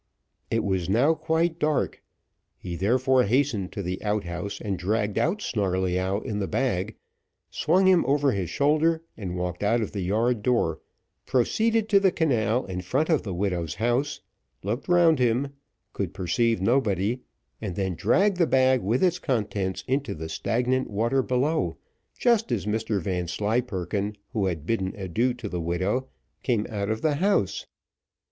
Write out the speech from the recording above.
It was now quite dark, he therefore hastened to the outhouse, and dragged out Snarleyyow in the bag, swung him over his shoulder, and walked out of the yard door, proceeded to the canal in front of the widow's house, looked round him, could perceive nobody, and then dragged the bag with its contents into the stagnant water below, just as Mr Vanslyperken, who had bidden adieu to the widow, came out of the house.